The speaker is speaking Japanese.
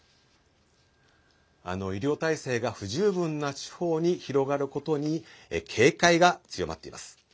医療体制が不十分な地方に広がることに警戒が強まっています。